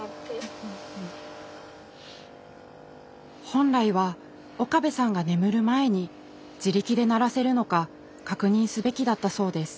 本来は岡部さんが眠る前に自力で鳴らせるのか確認すべきだったそうです。